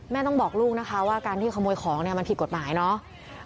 ต้องบอกลูกนะคะว่าการที่ขโมยของเนี่ยมันผิดกฎหมายเนาะ